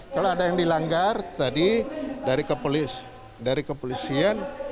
kalau ada yang dilanggar tadi dari kepolisian